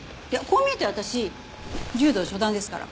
こう見えて私柔道初段ですから。